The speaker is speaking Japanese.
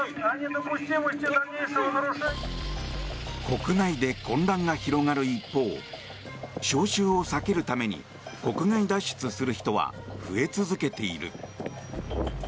国内で混乱が広がる一方招集を避けるために国外脱出する人は増え続けている。